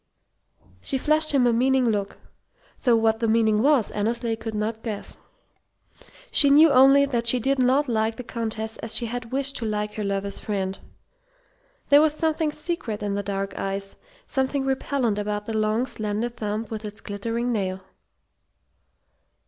She flashed him a meaning look, though what the meaning was Annesley could not guess. She knew only that she did not like the Countess as she had wished to like her lover's friend. There was something secret in the dark eyes, something repellent about the long, slender thumb with its glittering nail.